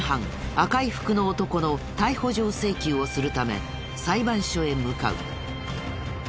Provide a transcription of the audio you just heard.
赤い服の男の逮捕状請求をするため裁判所へ向かう。